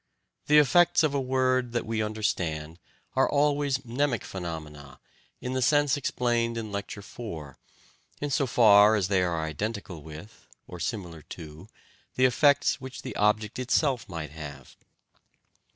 The effects of a word that we understand are always mnemic phenomena in the sense explained in Lecture IV, in so far as they are identical with, or similar to, the effects which the object itself might have.